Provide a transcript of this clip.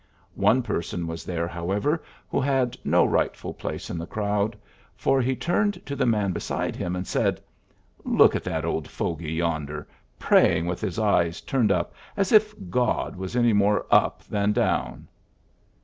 One person was there, however, who had no rightful place in the crowd ; for he turned to the man beside him, and said, ^^Look at that old fogy yonder, pray ing with his eyes turned up, as if God was any more up than down.'